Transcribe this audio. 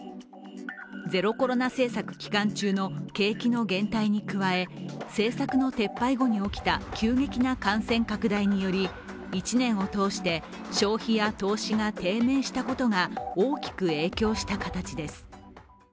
ゼロコロナ政策期間中の景気の減退に加え政策の撤廃後に起きた急激な感染拡大により１年を通して消費や投資が低迷したことが大きく影響した形です。